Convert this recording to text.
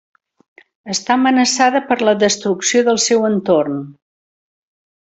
Està amenaçada per la destrucció del seu entorn.